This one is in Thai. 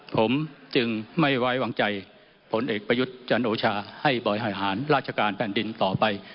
ผมจึงไม่ไว้วางใจผลเอกประยุทธ์จันโอชาให้บริหารราชการแผ่นดินต่อไป